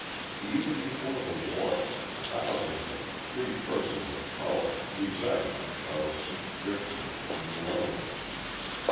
Even before the war thousands of "free persons of colour" resided in Charleston, Richmond, and New Orleans.